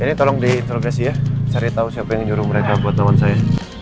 ini tolong di interogasi ya cari tahu siapa yang nyuruh mereka buat teman saya